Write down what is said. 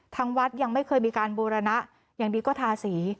ทางวัดยังไม่เคยมีการบูรณะอย่างดีก็ทาสี